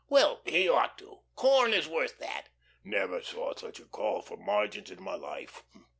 "Well he ought to. Corn is worth that." "Never saw such a call for margins in my life.